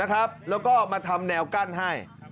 แล้วก็มาทำแนวกั้นให้